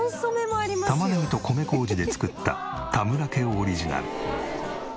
玉ねぎと米麹で作った田村家オリジナル。